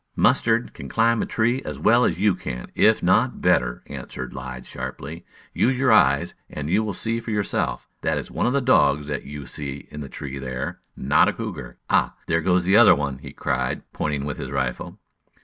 "Mustard can climb a tree as well as you can, if not better," answered Lige sharply. "Use your eyes, and you will see for yourself. That is one of the dogs that you see in the tree there not a cougar. Ah! There goes the other one!" he cried, pointing with his rifle.